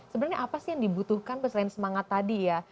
sebenarnya apa sih yang dibutuhkan selain semangat tadi ya